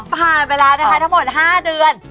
ผ่านไปแล้วนะคะทั้งหมด๕เดือน